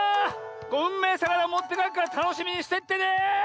うんめえさかなもってかえっからたのしみにしてってね！